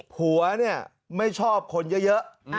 ผัวเนี่ยไม่ชอบคนเยอะ